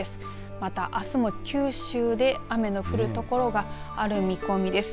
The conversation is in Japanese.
またあすも九州で雨の降るところがある見込みです。